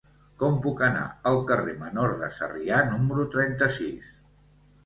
Com puc anar al carrer Menor de Sarrià número trenta-sis?